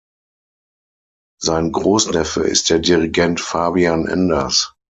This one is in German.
Sein Großneffe ist der Dirigent Fabian Enders.